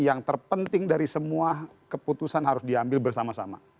yang terpenting dari semua keputusan harus diambil bersama sama